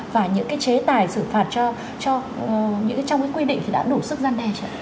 và những cái chế tài xử phạt trong cái quy định thì đã đủ sức gian đe